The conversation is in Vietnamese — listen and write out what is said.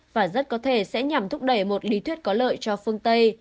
và rất có thể sẽ nhằm thúc đẩy một lý thuyết có lợi cho phương tây